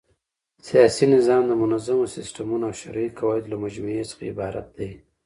سیاسي نظام د منظمو سيسټمو او شرعي قواعدو له مجموعې څخه عبارت دئ.